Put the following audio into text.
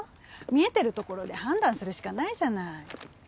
見えてるところで判断するしかないじゃない。